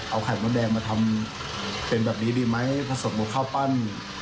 เอาไข่มดแดงมาทำเป็นแบบนี้ดีไหมผสมกับข้าวปั้น